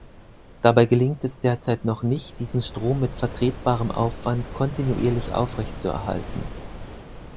Dabei gelingt es derzeit noch nicht, diesen Strom mit vertretbarem Aufwand kontinuierlich aufrechtzuerhalten.